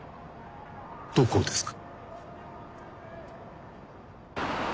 どこですか？